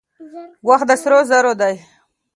وخت د سرو زرو دی.